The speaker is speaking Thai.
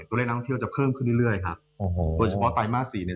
ตัวเลขอ้องเที่ยวจะเพิ่มขึ้นเรื่อย